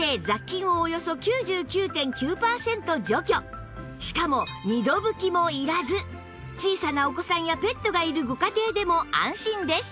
さらにしかも二度拭きもいらず小さなお子さんやペットがいるご家庭でも安心です